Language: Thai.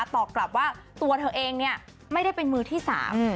ตอบกลับว่าตัวเธอเองเนี่ยไม่ได้เป็นมือที่สาม